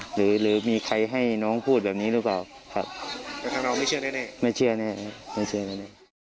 หรือหรือมีใครให้น้องพูดแบบนี้หรือเปล่าครับไม่เชื่อแน่แน่ไม่เชื่อแน่ไม่เชื่อแน่แน่